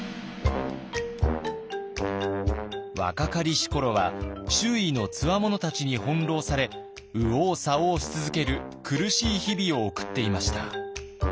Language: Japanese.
若かりし頃は周囲のつわものたちに翻弄され右往左往し続ける苦しい日々を送っていました。